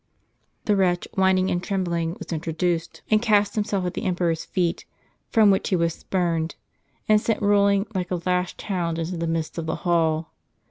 The wretch, whining and trembling, was introduced ; and cast himself at the emperor's feet, from which he was spurned, and sent rolling, like a lashed hound, into the midst of the hall.